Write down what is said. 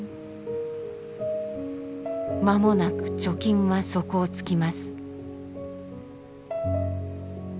間もなく貯金は底をつきます。